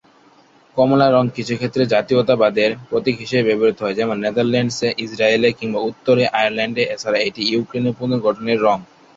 কমলা রঙ কিছুক্ষেত্রে জাতীয়তাবাদের প্রতীক হিসেবে ব্যবহৃত হয়, যেমন নেদারল্যান্ডসে, ইসরাইলে কিংবা উত্তর আয়ারল্যান্ডে, এছাড়া এটি ইউক্রেনের পুনর্গঠনের রঙ।